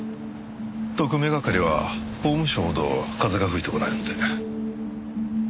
特命係は法務省ほど風が吹いてこないので。